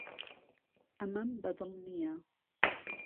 ئەمەم بەدڵ نییە.